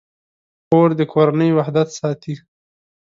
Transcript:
خور د کورنۍ وحدت ساتي.